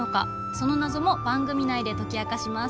その謎も番組内で解き明かします。